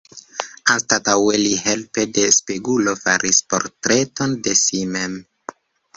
Anstataŭe, li helpe de spegulo faris portreton de si mem.